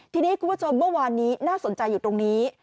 ทีนี้คุณผู้ชมเมื่อวานนี้น่าสนใจอยู่ตรงนี้